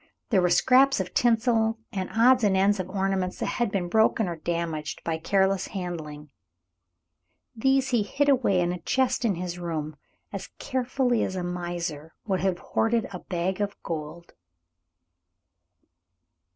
There were scraps of tinsel and odds and ends of ornaments that had been broken or damaged by careless handling. These he hid away in a chest in his room, as carefully as a miser would have hoarded a bag of gold.